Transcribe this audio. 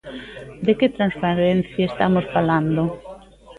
¿De que transparencia estamos falando?